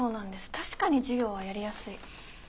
確かに授業はやりやすい。